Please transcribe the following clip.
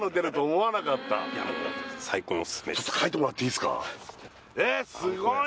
ちょっと書いてもらっていいっすか？